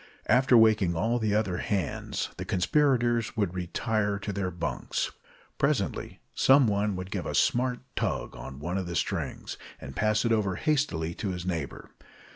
After waking all the other hands, the conspirators would retire to their bunks. Presently some one would give a smart tug on one of the strings, and pass it over hastily to his neighbor.